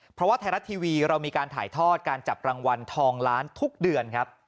เพราะว่าไทยรัฐทีวีเรามีการถ่ายทอดการจับรางวัลทองล้านทุกเดือนครับ